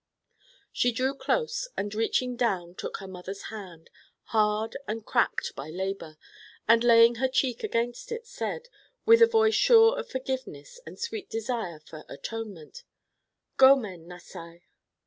She drew close, and reaching down took her mother's hand, hard and cracked by labor, and laying her cheek against it said, with a voice sure of forgiveness and sweet desire for atonement: "Go men nasai."